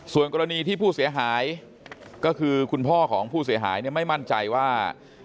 ส่วนกรณีที่ผู้เสียหายก็คือคุณพ่อของผู้เสียหายไม่มั่นใจว่า